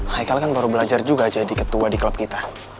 haikal kan baru belajar juga jadi ketua di klub kita